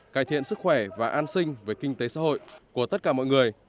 cải thiện sức khỏe và an sinh về kinh tế xã hội của tất cả mọi người